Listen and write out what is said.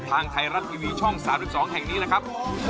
ทางไทยรัฐทีวีช่อง๓๒แห่งนี้นะครับ